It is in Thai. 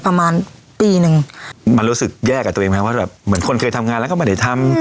ประมาณปีนึงมันรู้สึกแยกกับตัวเองไหมว่าแบบเหมือนคนเคยทำงานแล้วก็ไม่ได้ทำ